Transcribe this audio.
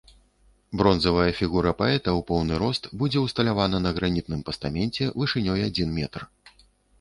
Бронзавая фігура паэта ў поўны рост будзе ўсталявана на гранітным пастаменце вышынёй адзін метр.